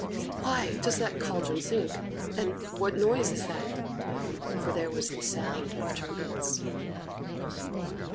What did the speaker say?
Why does that cauldron sink, and what noise is that?" For there was the sound of trumpets.